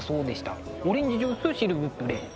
オレンジジュースシルブプレ。